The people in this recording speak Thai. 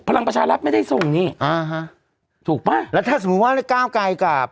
พลังประชารัฐไม่ได้ส่งนี่อ่าฮะถูกป่ะแล้วถ้าสมมุติว่าก้าวไกลกับ